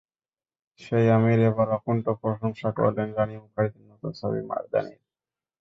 সেই আমির এবার অকুণ্ঠ প্রশংসা করলেন রানী মুখার্জির নতুন ছবি মারদানির।